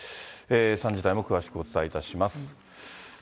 ３時台も詳しくお伝えいたします。